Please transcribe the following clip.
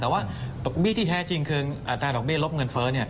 แต่ว่าดอกเบี้ที่แท้จริงคืออัตราดอกเบี้ลบเงินเฟ้อ